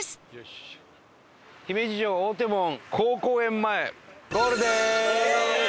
姫路城大手門・好古園前ゴールです！